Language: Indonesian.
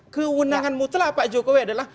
kewenangan mutlak pak jokowi adalah